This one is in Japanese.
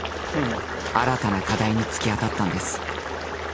新たな課題に突き当たったんです。